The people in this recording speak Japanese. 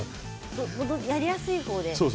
やりやすい方で。